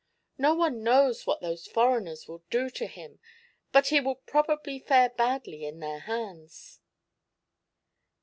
No one knows what those foreigners will do to him, but he would probably fare badly in their hands."